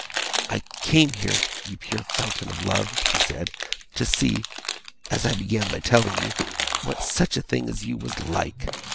'I came here, you pure fountain of love,' she said, 'to see as I began by telling you what such a thing as you was like.